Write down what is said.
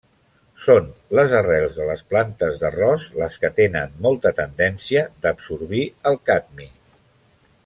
Són les arrels de les plantes d’arròs les que tenen molta tendència d’absorbir el cadmi.